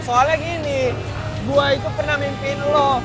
soalnya gini gue itu pernah mimpiin lu